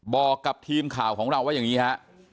บอกกับทีมข่าวของเราว่าอย่างนี้ฮะ